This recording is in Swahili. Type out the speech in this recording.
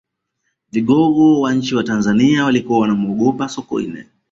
vigogo wa nchi ya tanzania walikuwa wanamuogopa sokoine